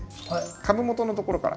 株元のところから。